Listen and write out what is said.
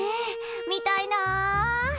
見たいな。